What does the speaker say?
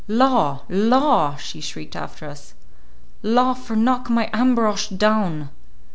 "Law, law!" she shrieked after us. "Law for knock my Ambrosch down!"